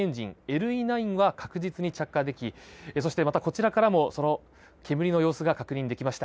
ＬＡ９は確実に着火できそしてまたこちらからもその煙の様子が確認できました。